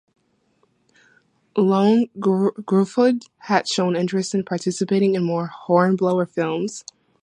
Ioan Gruffudd had shown interest in participating in more "Hornblower" films.